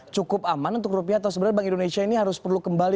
cukup aman untuk rupiah atau sebenarnya bank indonesia ini harus perlu kembali